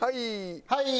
はい。